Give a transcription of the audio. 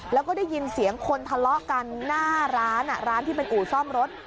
แล้วก็ได้ยินเสียงคนทะเลาะกันหน้าร้านร้านที่เป็นอู่ซ่อมรถ